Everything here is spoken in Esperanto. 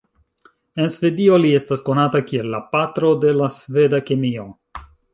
En Svedio li estas konata kiel la patro de la sveda kemio.